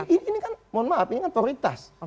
ini kan mohon maaf ini kan prioritas